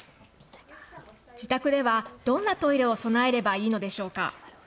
自宅ではどんなトイレを備えればいいのでしょうか。